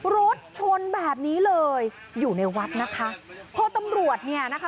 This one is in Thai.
รถชนแบบนี้เลยอยู่ในวัดนะคะพอตำรวจเนี่ยนะคะ